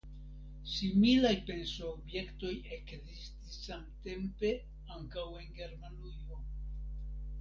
Similaj pensoobjektoj ekzistis samtempe ankaŭ en Germanujo.